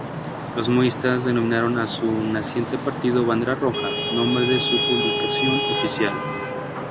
Los maoístas denominaron a su naciente partido "Bandera Roja", nombre de su publicación oficial.